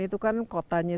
itu benar ya